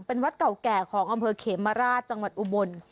เป็นวัดเก่าแก่ของอำเภอเขมราชจังหวัดอุบล